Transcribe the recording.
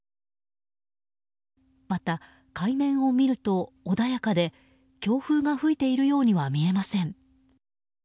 また海面を見ると穏やかで強風が吹いているようには見えません。